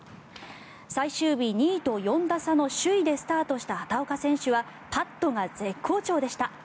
最終日、２位と４打差の首位でスタートした畑岡選手はパットが絶好調でした。